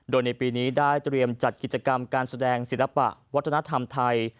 โดยในปีนี้ได้เตรียมจัดกิจกรรมการแสดงศิลปะวัฒนธรรมไทย